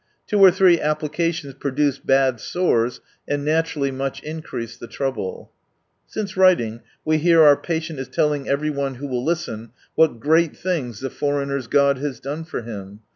Two or three applications produce bad sores, and naturally much increase the trouble. ... Since writing, we hear our patient is telling every one who will listen, what great things the foreigners' God has done for him.